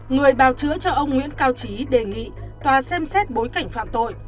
người bào chữa cho ông nguyễn cao trí đề nghị tòa xem xét bối cảnh phạm tội